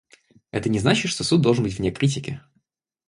Это не значит, что Суд должен быть вне критики.